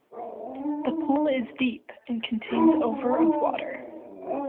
The pool is deep and contains over of water.